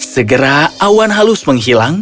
segera awan halus menghilang